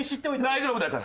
大丈夫だから。